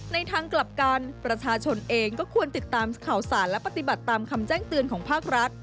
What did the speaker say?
ทางกลับกันประชาชนเองก็ควรติดตามข่าวสารและปฏิบัติตามคำแจ้งเตือนของภาครัฐ